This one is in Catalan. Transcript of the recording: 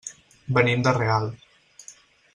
Venim de Real.